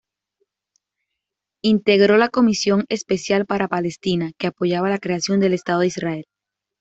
Integró la "Comisión Especial para Palestina" que apoyaba la creación del Estado de Israel.